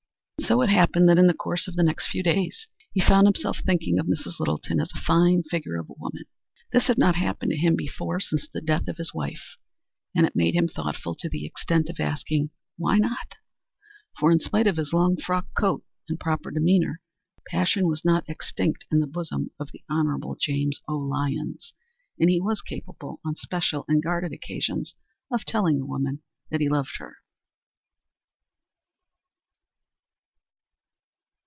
And so it happened that in the course of the next few days he found himself thinking of Mrs. Littleton as a fine figure of a woman. This had not happened to him before since the death of his wife, and it made him thoughtful to the extent of asking "Why not?" For in spite of his long frock coat and proper demeanor, passion was not extinct in the bosom of the Hon. James O. Lyons, and he was capable on special and guarded occasions of telling a woman that he loved her.